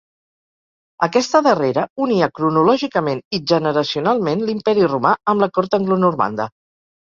Aquesta darrera unia cronològicament i generacionalment l'Imperi romà amb la cort anglonormanda.